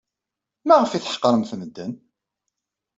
Maɣef ay tḥeqremt medden?